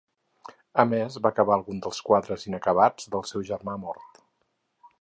A més va acabar alguns dels quadres inacabats del seu germà mort.